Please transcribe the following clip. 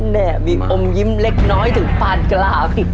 แน่มีอมยิ้มเล็กน้อยถึงปานกลาง